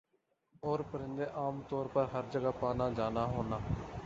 اورپرندے عام طور پر ہَر جگہ پانا جانا ہونا